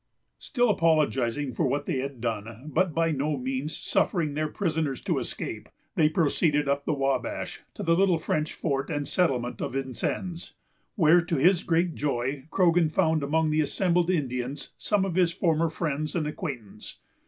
Still apologizing for what they had done, but by no means suffering their prisoners to escape, they proceeded up the Wabash, to the little French fort and settlement of Vincennes, where, to his great joy, Croghan found among the assembled Indians some of his former friends and acquaintance.